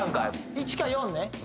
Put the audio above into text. １か４ね